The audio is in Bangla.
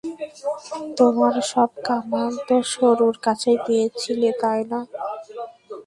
তোমার সব কামান তো শত্রুর কাছেই পেয়েছিলে, তাই না?